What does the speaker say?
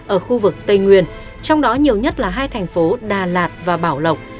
ở khu vực tây nguyên trong đó nhiều nhất là hai thành phố đà lạt và bảo lộc